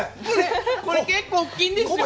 これ結構大きいんですよ。